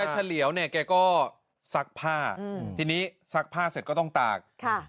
ชะเหลียวเนี่ยก็ซักผ้าอืมทีนี้ซักผ้าเสร็จก็ต้องตากค่ะ